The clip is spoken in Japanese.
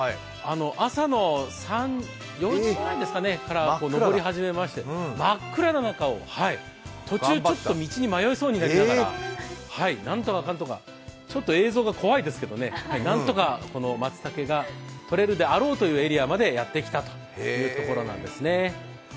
朝の４時ぐらいから登り初めまして真っ暗な中を、途中、ちょっと道に迷いそうになりながら何とかかんとか、ちょっと映像が怖いですけどね、何とかまつたけがとれるであろうというエリアまでやって来たというところなんですね。